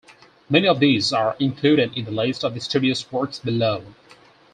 Many of these are included in the list of the studio's works below.